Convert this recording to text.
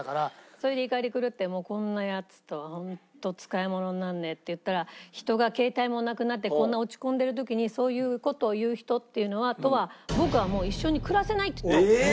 それで怒り狂って「もうこんなやつとはホント使いものになんねえ」って言ったら「人が携帯もなくなってこんな落ち込んでる時にそういう事を言う人とは僕はもう一緒に暮らせない」って言ったの。